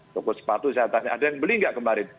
toko sepatu saya tanya ada yang beli nggak kemarin